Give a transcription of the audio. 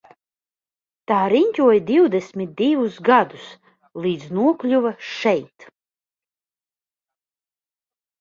Tā riņķoja divdesmit divus gadus līdz nokļuva šeit.